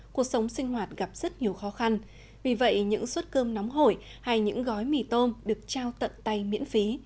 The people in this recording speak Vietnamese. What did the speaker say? cuộc sống sinh hoạt gặp rất nhiều khó khăn vì vậy những suất cơm nóng hổi hay những gói mì tôm được trao tận tay miễn phí